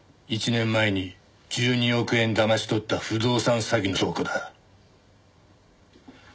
１年前に１２億円だまし取った不動産詐欺の証拠だ。